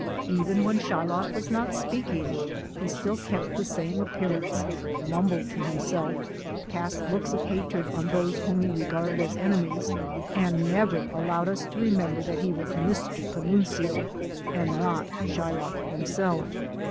Even when Shylock was not speaking he still kept the same appearance, mumbled to himself, cast looks of hatred on those whom he regarded as enemies and never allowed us to remember that he was Mr. Panunzio and not Shylock himself.